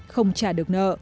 không trả được nợ